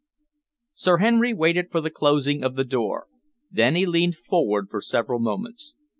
Sir Henry waited for the closing of the door. Then he leaned forward for several moments.